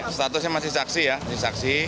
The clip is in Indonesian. statusnya masih saksi ya masih saksi